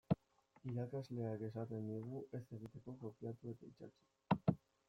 Irakasleak esaten digu ez egiteko kopiatu eta itsatsi.